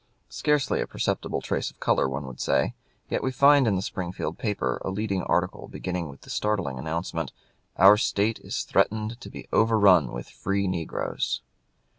Scarcely a perceptible trace of color, one would say, yet we find in the Springfield paper a leading article beginning with the startling announcement, "Our State is threatened to be overrun with free negroes."